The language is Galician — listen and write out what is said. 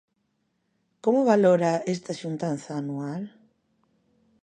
Como valora esta xuntanza anual?